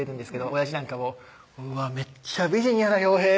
おやじなんかも「うわめっちゃ美人やな陽平」